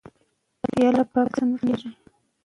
ایا د تعلیم بندیز د شرعیت غوښتنه ده؟